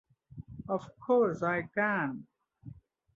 Of course I can't.